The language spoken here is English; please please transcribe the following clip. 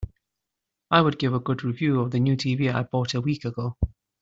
I would give a good review of the new TV I bought a week ago.